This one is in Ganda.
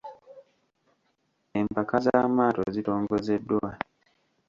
Empaka z’amaato zitongozeddwa.